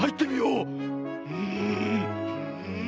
うん！